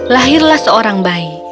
lahirlah seorang bayi